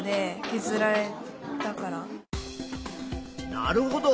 なるほど。